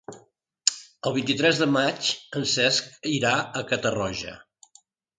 El vint-i-tres de maig en Cesc irà a Catarroja.